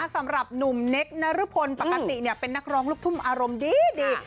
สำหรับหนุ่มเนคนรพลปกติเป็นนักร้องลูกทุ่งอารมณ์ดี